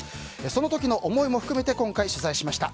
その時の思いも含めて今回、取材しました。